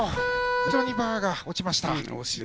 後ろにバーが落ちました。